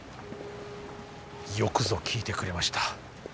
よくぞ聞いてくれました。